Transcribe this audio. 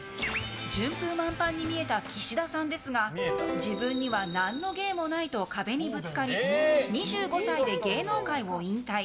順風満帆に見えた岸田さんですが自分には何の芸もないと壁にぶつかり２５歳で芸能界を引退。